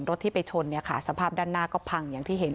รถที่ไปชนเนี่ยค่ะสภาพด้านหน้าก็พังอย่างที่เห็น